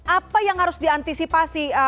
apa yang harus diantisipasi